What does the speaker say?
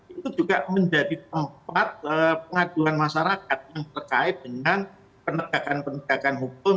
itu juga menjadi tempat pengaduan masyarakat yang terkait dengan penegakan penegakan hukum